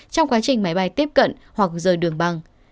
trong quá trình máy bay tiếp cận hoặc rời đường bằng